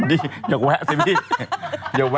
อีบ้าไปเที่ยวทะเลเฉยนะฮะ